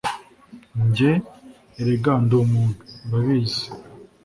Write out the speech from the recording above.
njye, erega, ndi umuntu, urabizi